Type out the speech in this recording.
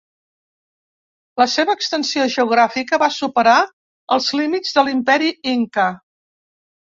La seva extensió geogràfica va superar els límits de l'Imperi Inca.